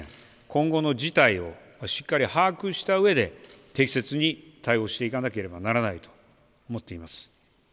今後の事態をしっかり把握したうえで適切に対応していかなければならないと思っています。